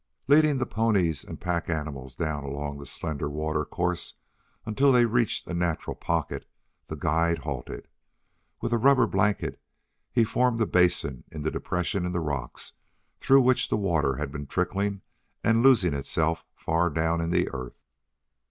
Leading the ponies and pack animals down along the slender water course until they had reached a natural pocket, the guide halted. With a rubber blanket he formed a basin in the depression in the rocks through which the water had been trickling and losing itself far down in the earth.